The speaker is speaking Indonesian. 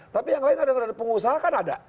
tapi yang lain ada yang dari pengusaha kan ada